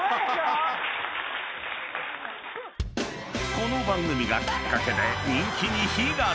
［この番組がきっかけで人気に火が付き］